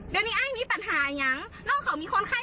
กะเนี่ยกะเนี่ยกับหน้าโน่งเขาเนี่ย